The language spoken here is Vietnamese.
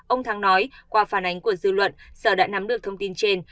ông thắng nói qua phản ánh của dư luận sở đã nắm được thông tin trên